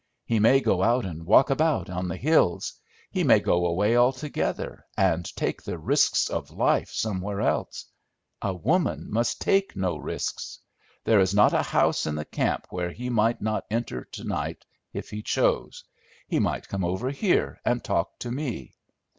He may go out and walk about on the hills; he may go away altogether, and take the risks of life somewhere else. A woman must take no risks. There is not a house in the camp where he might not enter to night, if he chose; he might come over here and talk to me.